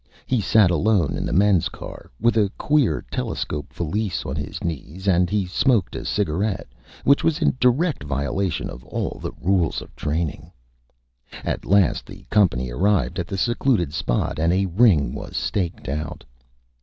He sat Alone in the Men's Car, with a queer Telescope Valise on his Knees, and he smoked a Cigarette, which was in direct Violation of all the Rules of Training. At last the Company arrived at the Secluded Spot, and a Ring was staked out.